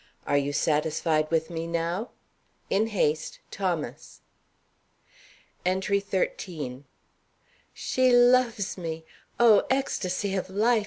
Are you satisfied with me now? In haste, THOMAS. ENTRY XIII. She loves me. Oh, ecstasy of life!